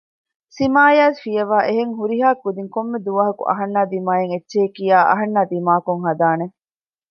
ސިމާޔާ ފިޔަވައި އެހެން ހުރިހާ ކުދިން ކޮންމެ ދުވަހަކު އަހަންނާ ދިމާއަށް އެއްޗެހި ކިޔާ އަހަންނާ ދިމާކޮށް ހަދާނެ